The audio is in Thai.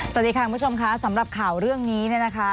สวัสดีค่ะคุณผู้ชมค่ะสำหรับข่าวเรื่องนี้เนี่ยนะคะ